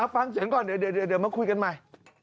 ฟังเสียงก่อนเดี๋ยวมาคุยกันใหม่